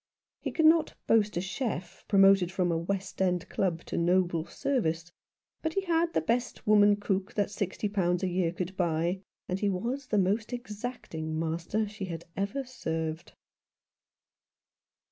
He could not boast a chef, promoted from a West End Club to noble service ; but he had the best woman cook that sixty pounds a year could buy, and he was the most exacting master she had ever served.